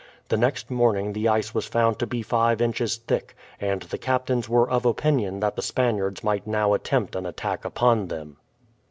The next morning the ice was found to be five inches thick, and the captains were of opinion that the Spaniards might now attempt an attack upon them.